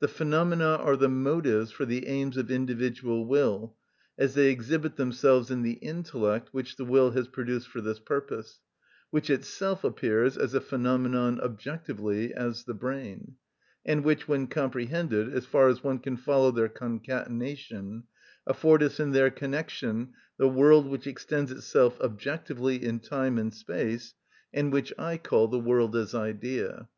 The phenomena are the motives for the aims of individual will as they exhibit themselves in the intellect which the will has produced for this purpose (which itself appears as a phenomenon objectively, as the brain), and which, when comprehended, as far as one can follow their concatenation, afford us in their connection the world which extends itself objectively in time and space, and which I call the world as idea.